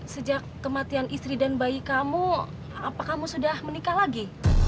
sejak kematian istri dan bayi kamu apa kamu sudah menikah lagi